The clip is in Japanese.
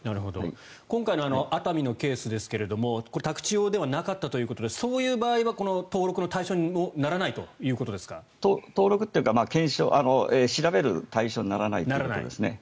今回の熱海のケースですがこれは宅地用ではなかったということでそういう場合はこの登録の対象に登録というか調べる対象にならないということです。